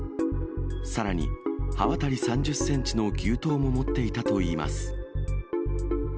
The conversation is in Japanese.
さらに刃渡り３０センチの牛刀も持っていたといいます。